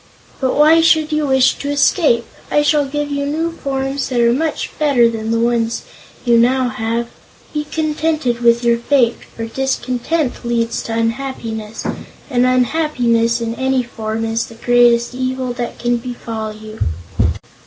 But why should you wish to escape? I shall give you new forms that are much better than the ones you now have. Be contented with your fate, for discontent leads to unhappiness, and unhappiness, in any form, is the greatest evil that can befall you."